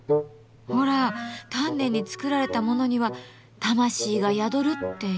ほら丹念に作られたものには魂が宿るってよく言うでしょ。